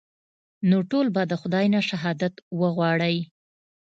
نو ټول به د خداى نه شهادت وغواړئ.